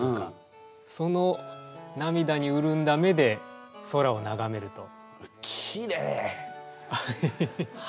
そのなみだにうるんだ目で空をながめると。